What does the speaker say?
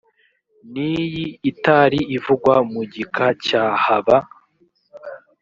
n iyi itari ivugwa mu gika cya haba